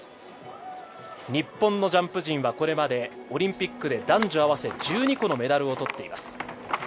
日本のジャンプ陣はこれまでオリンピックで男女合わせて１２個のメダルを取っています。